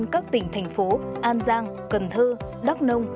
các tỉnh thành phố an giang cần thơ đắk nông